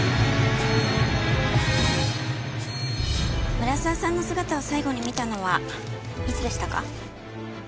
村沢さんの姿を最後に見たのはいつでしたか？